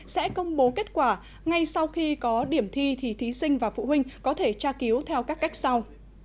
sẽ công bố kết quả ngay sau khi có điểm thi thì thí sinh và phụ huynh có thể tra cứu theo các cách sau